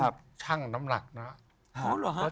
ท่านช่างน้ำหนักนะครับ